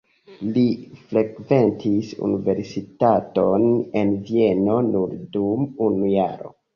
Li frekventis universitaton en Vieno nur dum unu jaro.